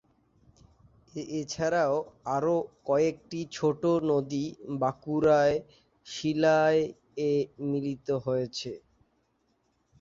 এছাড়াও আরও কয়েকটি ছোট নদী বাঁকুড়ায় শিলাই-এ মিলিত হয়েছে।